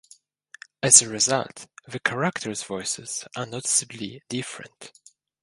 As a result, the character's voices are noticeably different.